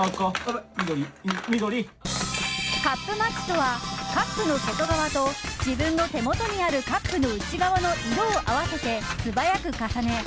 カップマッチとはカップの外側と自分の手元にあるカップの内側の色を合わせて素早く重ね